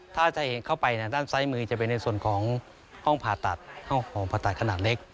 ถ้าเจอเข้าไปด้านซ้ายมือจะไปในส่วนของห้องผ่าตัดขนาดเล็ก